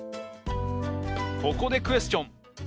ここでクエスチョン。